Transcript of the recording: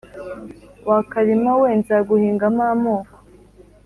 wa karima we nzaguhingamo amoko